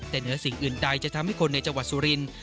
แต่เหนือสิ่งอื่นใดจะทำให้คนในจังหวัดสุรินทร์